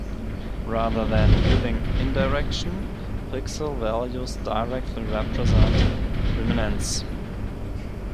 Rather than using indirection, pixel values directly represent Luminance.